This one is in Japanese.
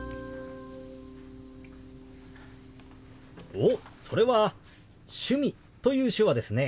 おっそれは「趣味」という手話ですね。